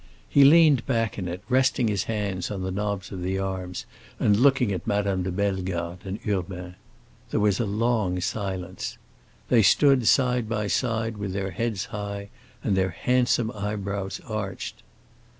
He leaned back in it, resting his hands on the knobs of the arms and looking at Madame de Bellegarde and Urbain. There was a long silence. They stood side by side, with their heads high and their handsome eyebrows arched.